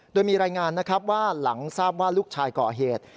โดยมีรายงานนะครับว่าหลังทราบว่าลูกชายก่อเหตุ